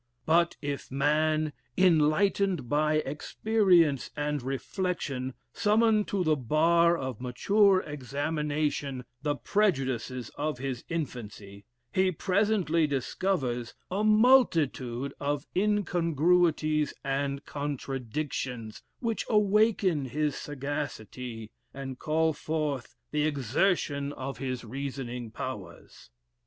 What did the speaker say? But if man, enlightened by experience and reflection, summon to the bar of mature examination the prejudices of his infancy, he presently discovers a multitude of incongruities and contradictions, which awaken his sagacity, and call forth the exertion of his reasoning powers.